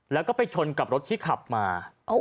แล้วก็ไปชนกับรถที่ขับมา